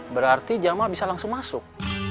berarti jamal bisa langsung masuk